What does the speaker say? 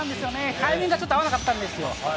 タイミングがちょっと合わなかったんですよ。